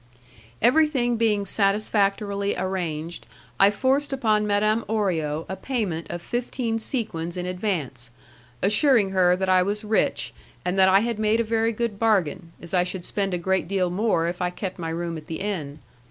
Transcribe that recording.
Everything being satisfactorily arranged, I forced upon Madame Orio a payment of fifteen sequins in advance, assuring her that I was rich, and that I had made a very good bargain, as I should spend a great deal more if I kept my room at the inn.